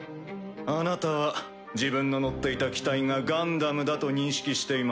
あなたは自分の乗っていた機体がガンダムだと認識していますか？